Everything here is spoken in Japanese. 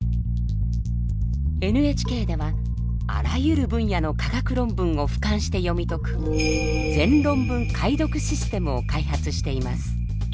ＮＨＫではあらゆる分野の科学論文をふかんして読み解く全論文解読システムを開発しています。